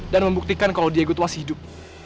dan membuktikan kalau diego masih hidup